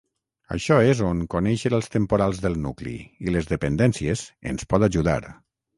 Això és on conèixer els temporals del nucli i les dependències ens pot ajudar.